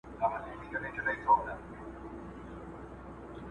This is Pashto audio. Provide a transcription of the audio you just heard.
مرغۍ د خپل حق د ترلاسه کولو لپاره ناهیلې نه شوه.